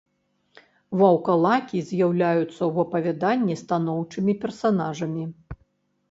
Ваўкалакі з'яўляюцца ў апавяданні станоўчымі персанажамі.